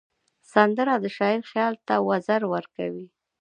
سندره د شاعر خیال ته وزر ورکوي